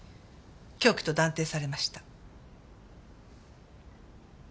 凶器と断定されました。